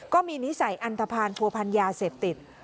ก็มีนิสัยอันทภาณภูมิพันยาเสพติด